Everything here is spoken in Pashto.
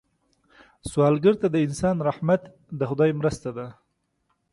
سوالګر ته د انسان رحمت د خدای مرسته ده